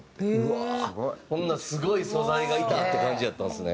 ほんならすごい素材がいたって感じやったんですね。